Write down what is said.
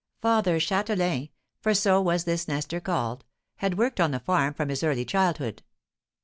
Father Châtelain (for so was this Nestor called) had worked on the farm from his early childhood.